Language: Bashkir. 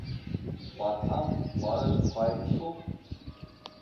— Барһаң, барып ҡайт шул.